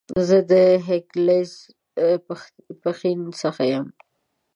زه د هيکلزئ ، پښين سخه يم